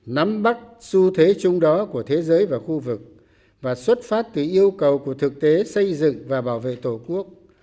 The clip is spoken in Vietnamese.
nắm bắt xu thế chung đó của thế giới và khu vực và xuất phát từ yêu cầu của thực tế xây dựng và bảo vệ tổ quốc